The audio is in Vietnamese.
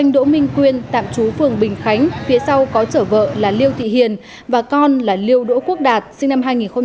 đỗ minh quyên tạm trú phường bình khánh phía sau có chở vợ là liêu thị hiền và con là liêu đỗ quốc đạt sinh năm hai nghìn một mươi hai